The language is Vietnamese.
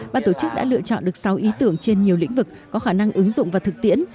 bà tổ chức đã lựa chọn được sáu ý tưởng trên nhiều lĩnh vực có khả năng ứng dụng và thực tiễn